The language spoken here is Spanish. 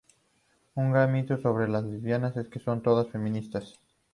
Un gran mito sobre las lesbianas es que son todas feministas.